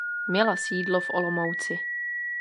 Měla sídlo v Olomouci.